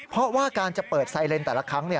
เพราะว่าการจะเปิดไซเลนแต่ละครั้ง